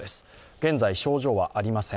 現在、症状はありません。